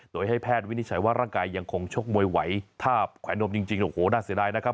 โดยให้แพทย์วินิจฉัยว่าร่างกายยังคงชกมวยไหวถ้าแขวนนมจริงโอ้โหน่าเสียดายนะครับ